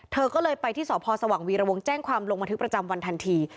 เธอก็เลยไปที่สพสว่างวีรวงแจ้งความลงบันทึกประจำวันทันที